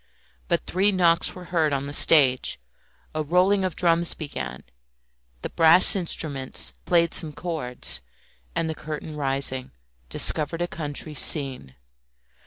But three knocks were heard on the stage, a rolling of drums began, the brass instruments played some chords, and the curtain rising, discovered a country scene.